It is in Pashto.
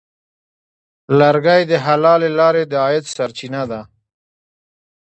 لرګی د حلالې لارې د عاید سرچینه ده.